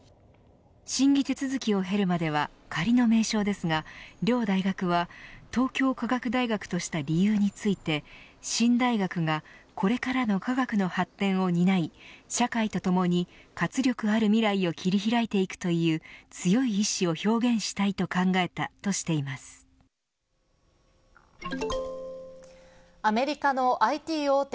審議手続きを経るまでは仮の名称ですが両大学は東京科学大学とした理由について新大学がこれからの科学の発展を担い社会と共に活力ある未来を切り開いていくという強い意志を表現したいとアメリカのＩＴ大手